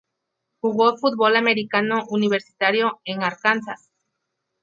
Jugó fútbol americano universitario en Arkansas.